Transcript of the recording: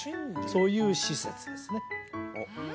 そういう施設ですねえっ？